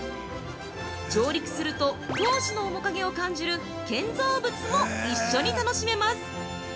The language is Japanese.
上陸すると、当時の面影を感じる建造物も一緒に楽しめます。